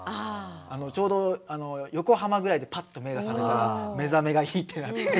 ちょうど横浜ぐらいでぱっと目が覚めて目覚めがいいとなって。